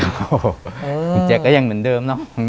คุณแจ๊กก็ยังเหมือนเดิมเนอะ